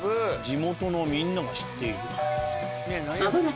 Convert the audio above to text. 地元のみんなが知っている？